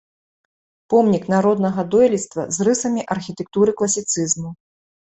Помнік народнага дойлідства з рысамі архітэктуры класіцызму.